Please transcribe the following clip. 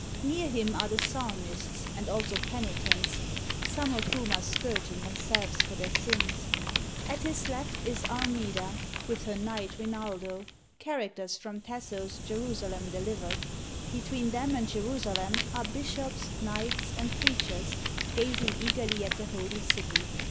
Near him are the psalmists and also penitents, some of whom are scourging themselves for their sins. At his left is Armida with her knight Rinaldo, characters from Tasso's "Jerusalem Delivered." Between them and Jerusalem are bishops, knights, and preachers gazing eagerly at the Holy City.